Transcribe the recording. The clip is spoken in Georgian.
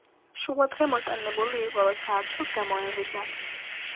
შუადღე მოტანებული იყო, როცა არჩილს გამოეღვიძა.